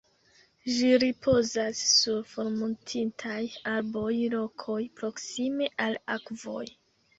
Ĝi ripozas sur formortintaj arboj, rokoj, proksime al akvoj.